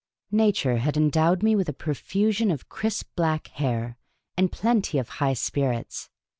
Nature had endowed me with a profusion of crisp black hair, and plenty of high spirits.